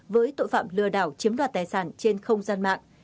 với tội phạm lừa đảo chiếm đoạt tài sản trên không gian mạng